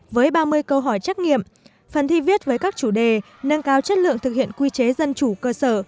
với ba mươi câu hỏi trắc nghiệm phần thi viết với các chủ đề nâng cao chất lượng thực hiện quy chế dân chủ cơ sở